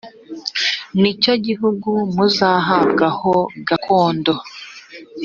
ni cyo gihugu muzahabwa ho gakondo.